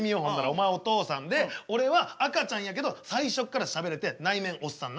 お前お父さんで俺は赤ちゃんやけど最初からしゃべれて内面おっさんな。